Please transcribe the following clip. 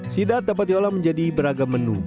sidap dapat diolah menjadi beragam menu